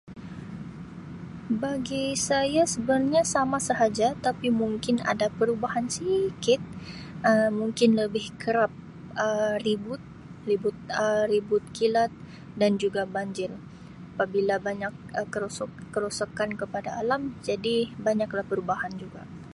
Bagi saya sebenarnya sama sahaja tapi mungkin ada perubahan sikit Um mungkin lebih kerap Um ribut ribut Um ribut kilat dan juga banjir apabila banyak kerosok-kerosakan pada alam jadi banyaklah perubahan juga.